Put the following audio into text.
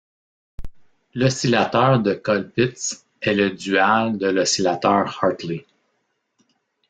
L'oscillateur de Colpitts est le dual de l'oscillateur Hartley.